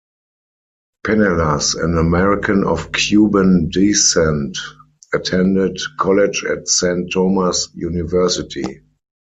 Penelas, an American of Cuban descent, attended college at Saint Thomas University.